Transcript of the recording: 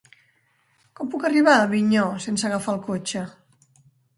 Com puc arribar a Avinyó sense agafar el cotxe?